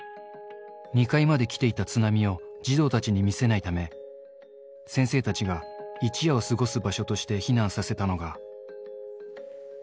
２階まで来ていた津波を児童たちに見せないため、先生たちが一夜を過ごす場所として避難させたのが。